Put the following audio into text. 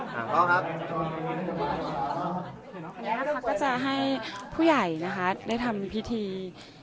หาเข้าครับอันนี้ภาพก็จะให้ผู้ใหญ่นะคะได้ทำพิธี